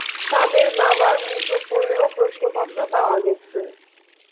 তাঁদের বাবার মুঠোফোনেও প্রশ্নপত্র পাওয়া গেছে।